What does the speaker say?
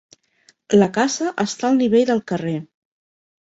La casa està al nivell del carrer.